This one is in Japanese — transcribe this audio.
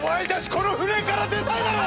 この船から出たいだろ⁉